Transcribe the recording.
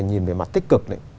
nhìn về mặt tích cực này